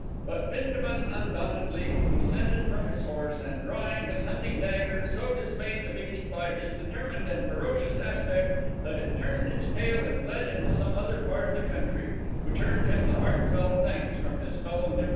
But Bindabun undauntedly descended from his horse, and, drawing his hunting dagger, so dismayed the beast by his determined and ferocious aspect that it turned its tail and fled into some other part of the country, which earned him the heartfelt thanks from his fellow Nimrods.